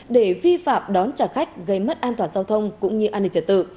để vi phạm đón trả khách gây mất an toàn giao thông cũng như an ninh trả tự